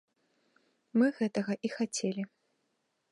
Мы гэтага і хацелі.